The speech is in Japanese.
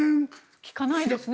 聞かないですね。